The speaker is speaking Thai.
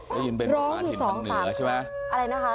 ได้ยินเป็นภาษาถิ่นทางเหนือใช่ไหมอะไรนะคะ